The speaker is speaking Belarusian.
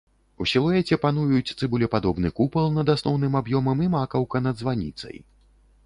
У сілуэце пануюць цыбулепадобны купал над асноўным аб'ёмам і макаўка над званіцай.